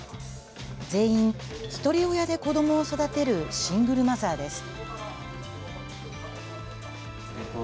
全員、ひとり親で子どもを育てるシングルマザーです。